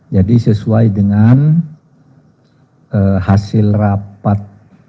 jadi sesuai dengan hasil rapat